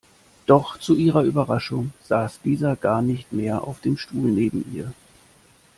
Doch zu ihrer Überraschung saß dieser gar nicht mehr auf dem Stuhl neben ihr.